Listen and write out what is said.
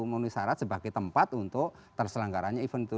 memenuhi syarat sebagai tempat untuk terselenggaranya event itu